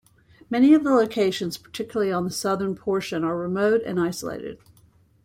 Many of the locations, particularly on the southern portion, are remote and isolated.